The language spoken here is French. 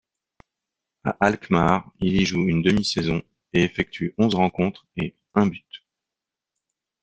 À Alkmaar, il y joue une demi-saison et effectue onze rencontres et un but.